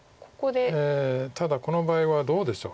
ただこの場合はどうでしょう。